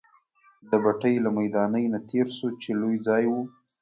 د بټۍ له میدانۍ نه تېر شوو، چې لوی ځای وو.